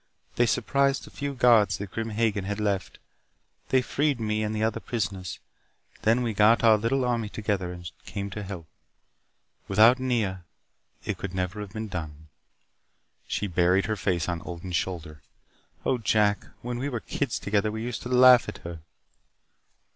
They surprised the few guards that Grim Hagen had left. They freed me and the other prisoners. Then we got our little army together and came to help. Without Nea, it could never have been done." She buried her face on Odin's shoulder. "Oh, Jack, when we were kids together we used to laugh at her."